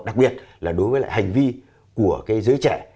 đặc biệt là đối với lại hành vi của cái giới trẻ